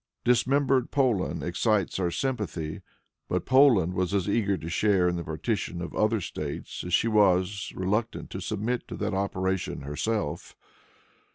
Dismembered Poland excites our sympathy; but Poland was as eager to share in the partition of other States as she was reluctant to submit to that operation herself.